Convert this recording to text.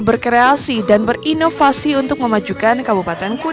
selain pembangunan tubuh ini bisa disel geser geser atau di kapal tanaman